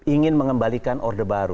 ingin mengembalikan order baru